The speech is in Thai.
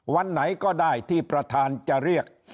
วันไหนก็ได้ที่ประธานจะเรียก